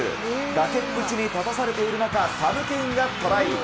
崖っぷちに立たされている中、サム・ケインがトライ。